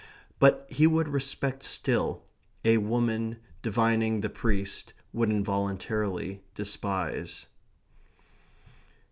But he would respect still. A woman, divining the priest, would, involuntarily, despise.